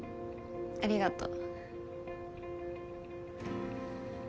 ありがとう。